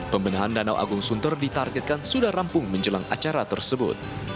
pembenahan danau agung sunter ditargetkan sudah rampung menjelang acara tersebut